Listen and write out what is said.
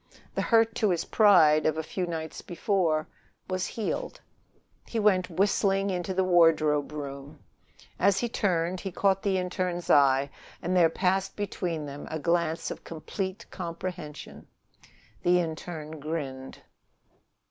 The hurt to his pride of a few nights before was healed. He went whistling into the wardrobe room. As he turned he caught the interne's eye, and there passed between them a glance of complete comprehension. The interne grinned.